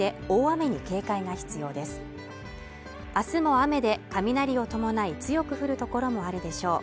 あすも雨で雷を伴い強く降る所もあるでしょう